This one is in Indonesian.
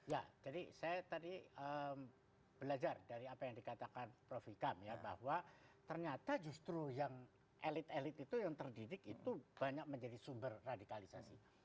ya jadi saya tadi belajar dari apa yang dikatakan prof ikam ya bahwa ternyata justru yang elit elit itu yang terdidik itu banyak menjadi sumber radikalisasi